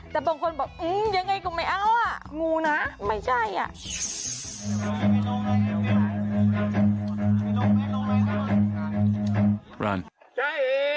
แต่บางคนบอกอื้อยังไงก็ไม่เอางูนะไม่ใช่